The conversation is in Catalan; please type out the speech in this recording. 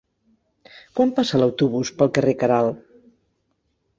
Quan passa l'autobús pel carrer Queralt?